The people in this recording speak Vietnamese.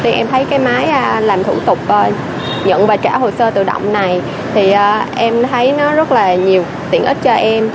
thì em không cần phải xếp hàng chờ lâu cũng như đông người